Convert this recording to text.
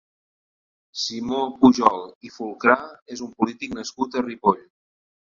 Simó Pujol i Folcrà és un polític nascut a Ripoll.